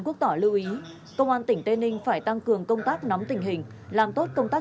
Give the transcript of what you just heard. quốc tỏ lưu ý công an tỉnh tây ninh phải tăng cường công tác nắm tình hình làm tốt công tác